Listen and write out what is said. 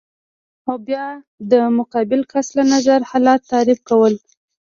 او بیا د مقابل کس له نظره حالت تعریف کول